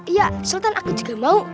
iya sultan aku juga mau